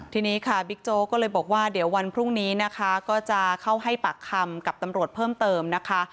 ทีนี้ค่ะบิ๊กโจ๊กก็เลยบอกว่าเดี๋ยววันพรุ่งนี้นะคะก็จะเข้าให้ปากคำกับตำรวจเพิ่มเติมนะคะ